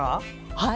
はい。